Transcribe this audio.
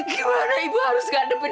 gimana ibu harus mengandebuk mereka